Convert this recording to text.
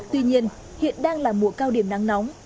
tuy nhiên hiện đang là mùa cao điểm nắng nóng